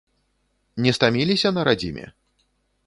Не стаміліся на радзіме?